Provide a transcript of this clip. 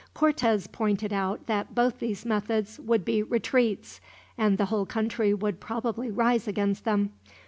Cortez pointed out that both these methods would be retreats, and the whole country would probably rise against them.